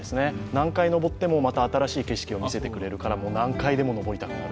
何回登ってもまた新しい景色を見せてくれるからまた登りたくなる。